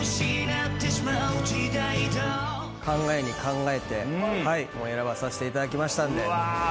考えに考えて選ばさせていただきましたんで。